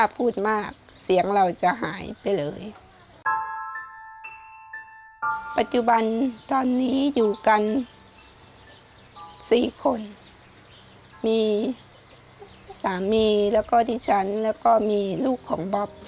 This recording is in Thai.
ปัจจุบันตอนนี้อยู่กัน๔คนมีสามีแล้วก็ดิฉันแล้วก็มีลูกของบ๊อบ